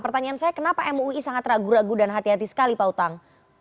pertanyaan saya kenapa mui sangat ragu ragu dan hati hati sekali pak utang